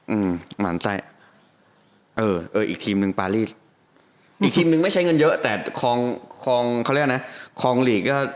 อืมหมั่นไส้เออเอออีกทีมหนึ่งปารีสอีกทีมนึงไม่ใช้เงินเยอะแต่คลองคลองเขาเรียกนะคลองหลีกก็